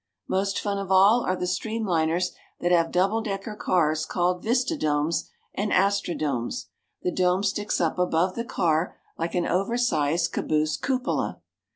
Most fun of all are the streamliners that have double decker cars called Vista Domes and Astra Domes. The dome sticks up above the car like an oversized caboose cupola.